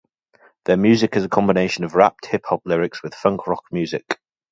Their music is a combination of rapped hip hop lyrics with funk rock music.